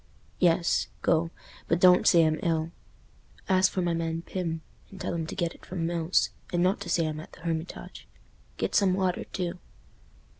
"Yes—go. But don't say I'm ill. Ask for my man Pym, and tell him to get it from Mills, and not to say I'm at the Hermitage. Get some water too."